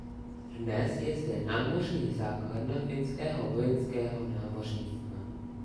Dnes je zde námořní základna finského vojenského námořnictva.